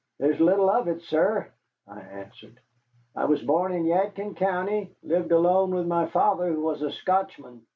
"There is little of it, sir," I answered. "I was born in the Yadkin country, lived alone with my father, who was a Scotchman.